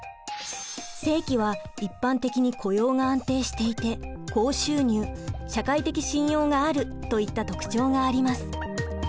正規は一般的に雇用が安定していて高収入社会的信用があるといった特徴があります。